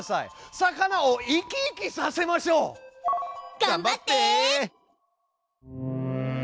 魚を生き生きさせましょう！がんばって！